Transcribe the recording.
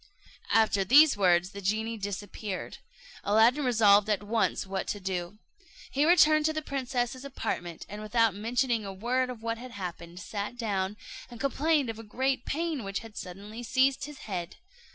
After these words the genie disappeared. Aladdin resolved at once what to do. He returned to the princess's apartment, and without mentioning a word of what had happened, sat down, and complained of a great pain which had suddenly seized his head.